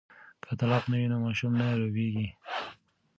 که طلاق نه وي نو ماشوم نه روبیږي.